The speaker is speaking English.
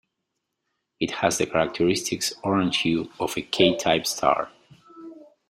It has the characteristic orange hue of a K-type star.